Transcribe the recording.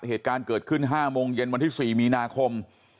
เหตุการณ์เกิดขึ้น๕โมงเย็นวันที่๔มีนาคม